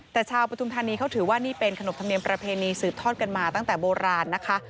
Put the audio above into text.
แต่ชาวปฐุมธานีเขาถือว่านี่เป็นขนบธรรมเนียมประเพณีสืบทอดกันมาตั้งแต่โบราณนะคะ